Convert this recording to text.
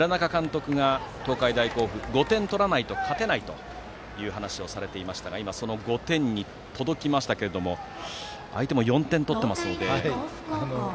東海大甲府の村中監督は５点取らないと勝てないという話をされていましたが今、その５点に届きましたが相手も４点取っています。